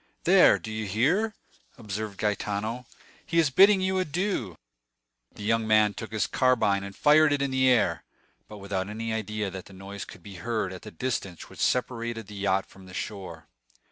"There, do you hear?" observed Gaetano; "he is bidding you adieu." The young man took his carbine and fired it in the air, but without any idea that the noise could be heard at the distance which separated the yacht from the shore.